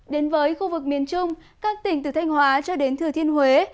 đến với khu vực miền trung các tỉnh từ thanh hóa cho đến thừa thiên huế